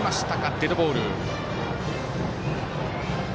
デッドボール。